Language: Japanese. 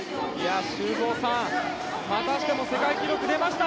修造さん、またしても世界記録出ました。